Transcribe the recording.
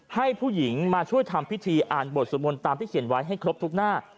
ให้ผู้หญิงมาช่วยทำพิธีอ่านบทสวมนต์ตามที่เขียนไว้ให้ครบทุกหน้า